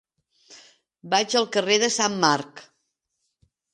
Vaig al carrer de Sant Marc.